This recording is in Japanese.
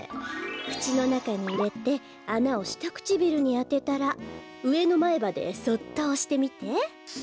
くちのなかにいれてあなをしたくちびるにあてたらうえのまえばでそっとおしてみて。